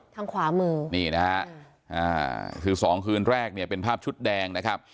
ทางขวามือนี่นะฮะคือสองคืนแรกเนี่ยเป็นภาพชุดแดงนะครับ